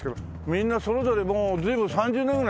みんなそれぞれもう随分３０年ぐらい経つのかな？